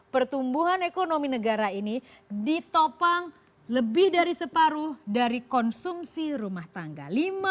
pertumbuhan ekonomi negara ini ditopang lebih dari separuh dari konsumsi rumah tangga